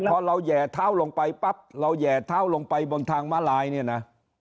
พอเราแห่เท้าลงไปปั๊บเราแห่เท้าลงไปบนทางมาลายเนี่ยนะ